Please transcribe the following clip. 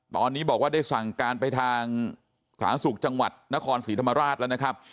ตอนนี้บอกว่าได้สั่งการไปทางสาธารณสุขจังหวัดนครศรีธรรมราชแล้วนะครับ